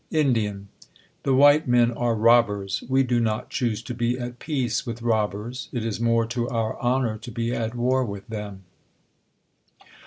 Ind. The White Men are robbers. We do not choose to be at peace with robbers ; it is more to our honor to be at war with them.